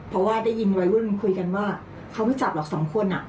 เพราะว่าได้ยินวัยรุ่นคุยกันว่าเขาไม่จับหรอกสองคน